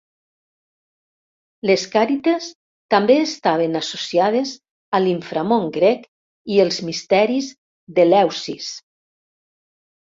Les càrites també estaven associades a l'inframón grec i els misteris d'Eleusis.